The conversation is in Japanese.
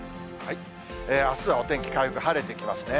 あすはお天気回復、晴れてきますね。